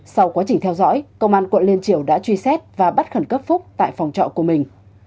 sau quá trình theo dõi công an quận liên triều đã truy xét và bắt khẩn cấp phúc tại phòng trọ của mình